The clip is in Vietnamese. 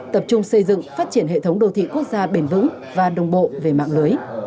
tập trung xây dựng phát triển hệ thống đô thị quốc gia bền vững và đồng bộ về mạng lưới